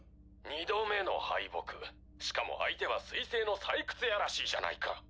二度目の敗北しかも相手は水星の採掘屋らしいじゃないか。